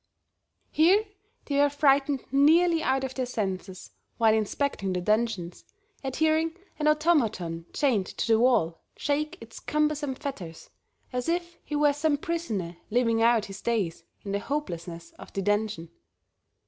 Here they were frightened nearly out of their senses while inspecting the dungeons, at hearing an automaton chained to the wall shake its cumbersome fetters as if he were some prisoner living out his days in the hopelessness of the dungeon.